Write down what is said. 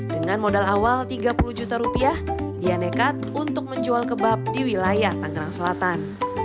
dengan modal awal tiga puluh juta rupiah dia nekat untuk menjual kebab di wilayah tanggerang selatan